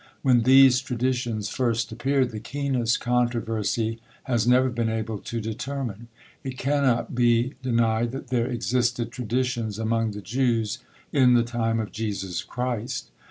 When these traditions first appeared, the keenest controversy has never been able to determine. It cannot be denied that there existed traditions among the Jews in the time of Jesus Christ.